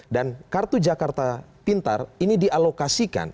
kartu jakarta pintar ini dialokasikan